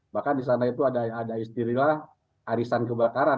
bahkan di sana itu ada istilah arisan kebakaran